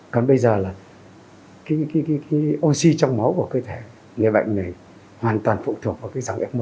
còn bây giờ là cái oxy trong máu của cơ thể người bệnh này hoàn toàn phụ thuộc